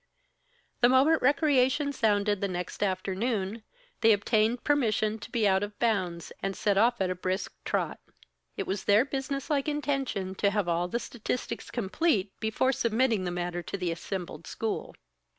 The moment recreation sounded the next afternoon, they obtained permission to be out of bounds, and set off at a brisk trot. It was their business like intention to have all the statistics complete, before submitting the matter to the assembled school.